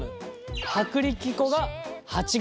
薄力粉が８ｇ。